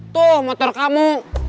tuh motor kamu